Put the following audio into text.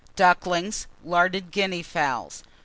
Ducklings. Larded Guinea Fowls.